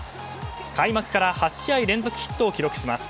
開幕から８試合連続ヒットを記録します。